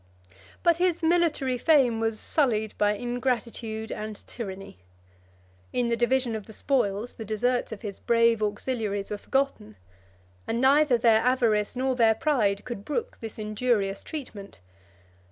But his military fame was sullied by ingratitude and tyranny. In the division of the spoils, the deserts of his brave auxiliaries were forgotten; and neither their avarice nor their pride could brook this injurious treatment.